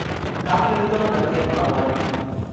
Hamilton nació en Hawaii.